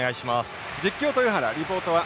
実況豊原リポートは浅井僚